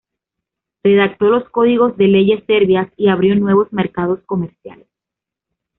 Redactó los códigos de leyes serbias y abrió nuevos mercados comerciales.